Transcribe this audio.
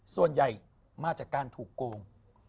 ส่วนใหญ่มาจากการถูกโกง